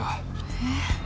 えっ。